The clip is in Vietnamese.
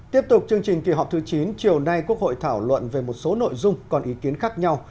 tiếp tục chương trình kỳ họp thứ chín chiều nay quốc hội thảo luận về một số nội dung còn ý kiến khác nhau